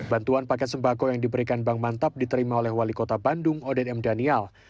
bantuan paket sembako yang diberikan bank mantap diterima oleh wali kota bandung oden m daniel